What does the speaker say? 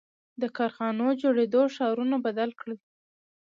• د کارخانو جوړېدو ښارونه بدل کړل.